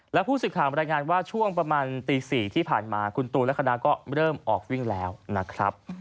และผู้สื่อข่าวบรรยายงานว่าช่วงประมาณตี๔ที่ผ่านมาคุณตูนและคณะก็เริ่มออกวิ่งแล้วนะครับ